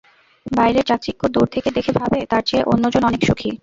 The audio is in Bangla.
বাইরের চাকচিক্য দূর থেকে দেখে ভাবে, তার চেয়ে অন্যজন অনেক সুখী।